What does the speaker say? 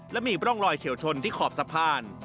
และมีร่องรอยเฉียวชนที่ขอบสะพาน